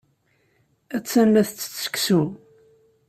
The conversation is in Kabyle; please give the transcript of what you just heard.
Attan la tettett seksu.